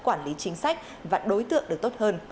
quản lý chính sách và đối tượng được tốt hơn